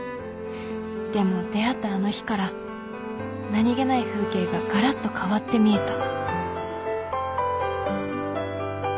「でも出会ったあの日から何気ない風景がガラッと変わって見えた」